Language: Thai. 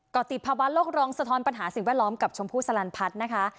ก็ติดภาวะโลกร้องสะท้อนปัญหาสิ่งแวดล้อมกับชมพู่สลันพัฒน์นะคะ